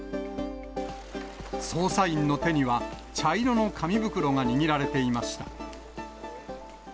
捜査員の手には、茶色の紙袋が握られていました。